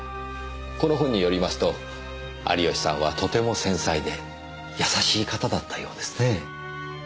この本によりますと有吉さんはとても繊細で優しい方だったようですね。